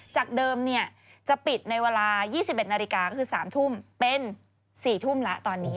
จากเดิมจะปิดในเวลา๒๑นาฬิกาก็คือ๓ทุ่มเป็น๔ทุ่มแล้วตอนนี้